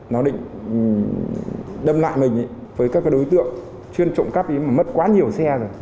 nó định đâm lại mình với các đối tượng chuyên trộm cắp ý mà mất quá nhiều xe rồi